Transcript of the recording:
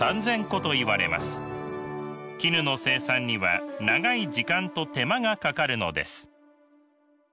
絹の生産には長い時間と手間がかかるのです。